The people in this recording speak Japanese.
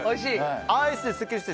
アイスですっきりして。